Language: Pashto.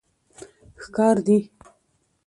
ښکار دي